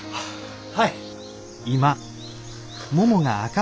はい。